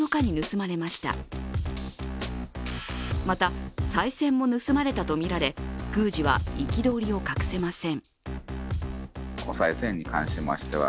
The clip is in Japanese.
また、さい銭も盗まれたとみられ宮司は憤りを隠せません。